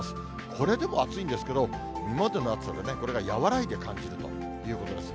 これでも暑いんですけど、今までの暑さでね、これが和らいで感じるということです。